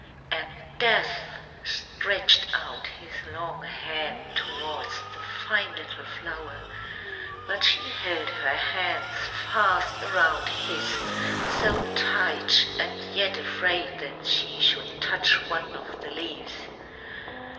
And Death stretched out his long hand towards the fine little flower, but she held her hands fast around his, so tight, and yet afraid that she should touch one of the leaves.